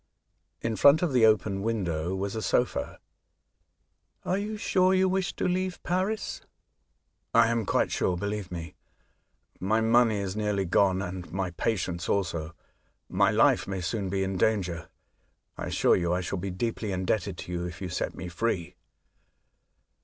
In front of the open window was a sofa. " Are you sure you wish to leave Paris ?"^' I am quite sure, believe me. My money is nearly gone, and my patience also. My life may soon be in danger. I assure you I shall be deeply indebted to you if you set me free."